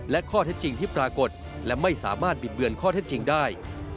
และข้อเท็จจริงที่ปรากฏและไม่สามารถบิดเบือนข้อเท็จจริงได้